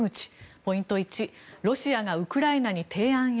ポイント１ロシアがウクライナに提案へ？